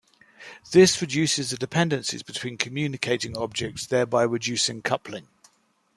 This reduces the dependencies between communicating objects, thereby reducing coupling.